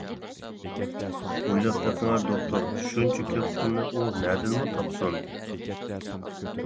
ئويلاپ بېقىڭە دوختۇر شۇنچە كۆپ پۇلنى ئۇ نەدىنمۇ تاپسۇن!